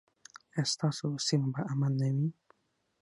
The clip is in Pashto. ایا ستاسو سیمه به امن نه وي؟